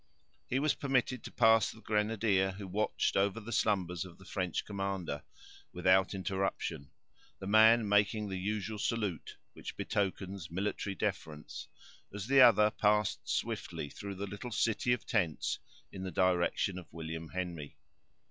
He was permitted to pass the grenadier, who watched over the slumbers of the French commander, without interruption, the man making the usual salute which betokens military deference, as the other passed swiftly through the little city of tents, in the direction of William Henry.